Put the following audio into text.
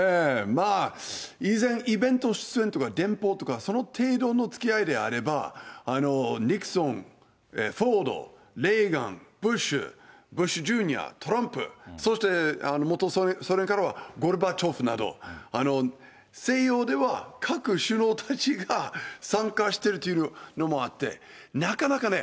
まあ、イベント出演とか、電報とかその程度のつきあいであれば、ニクソン、フォード、レーガン、ブッシュ、ブッシュジュニア、トランプ、そしてそれからゴルバチョフなど、西洋では各首脳たちが参加しているというのもあって、なかなかね、